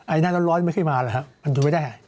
ไอ้หน้าร้อนไม่เคยมาแล้วครับมันอยู่ไม่ได้